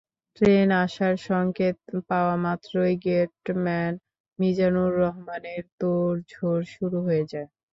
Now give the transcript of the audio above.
Train আসার সংকেত পাওয়ামাত্রই গেটম্যান মিজানুর রহমানের তোড়জোড় শুরু হয়ে যায়।